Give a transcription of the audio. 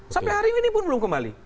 sampai hari ini pun belum kembali